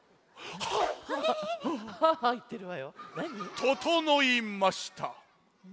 ととのいました！